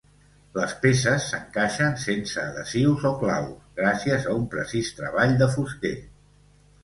Les peces s'encaixen sense adhesius o claus, gràcies a un precís treball de fuster.